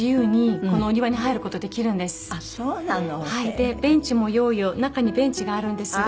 でベンチも用意を中にベンチがあるんですが。